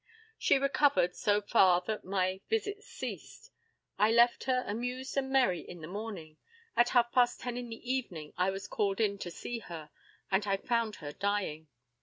She recovered so far that my visits ceased. I left her amused and merry in the morning; at half past ten in the evening I was called in to see her, and I found her dying.